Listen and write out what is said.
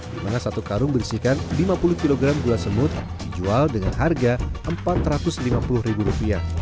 dimana satu karung berisikan lima puluh kg gula semut dijual dengan harga empat ratus lima puluh rupiah